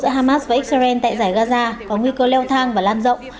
xung đột giữa hamas và xrn tại giải gaza có nguy cơ leo thang và lan rộng